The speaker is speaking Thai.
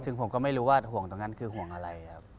ซึ่งผมก็ไม่รู้ว่าห่วงตรงนั้นคือห่วงอะไรครับ